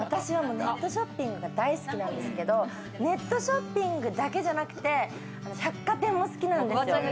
ネットショッピングが大好きなんですけれども、ネットショッピングだけじゃなくて、百貨店も好きなんですよ。